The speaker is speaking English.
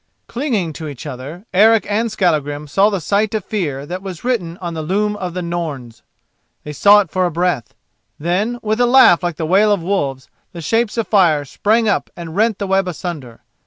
Clinging to each other, Eric and Skallagrim saw the sight of fear that was written on the loom of the Norns. They saw it for a breath. Then, with a laugh like the wail of wolves, the shapes of fire sprang up and rent the web asunder.